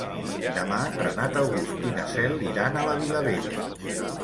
Demà en Renat August i na Cel iran a la Vilavella.